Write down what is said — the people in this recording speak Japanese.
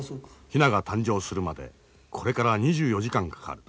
ヒナが誕生するまでこれから２４時間かかる。